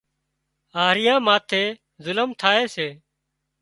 هاۯيئاان ماٿي ظلم ٿائي سي